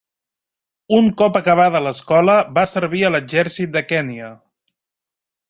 Un cop acabada l'escola, va servir a l'Exèrcit de Kenya.